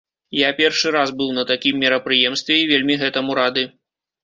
Я першы раз быў на такім мерапрыемстве і вельмі гэтаму рады.